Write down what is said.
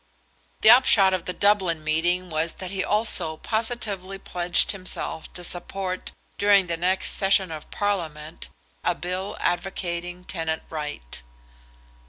The upshot of the Dublin meeting was that he also positively pledged himself to support during the next session of Parliament a bill advocating tenant right.